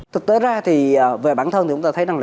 thực tế ra thì về bản thân